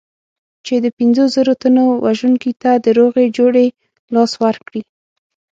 چې د پنځو زرو تنو وژونکي ته د روغې جوړې لاس ورکړي.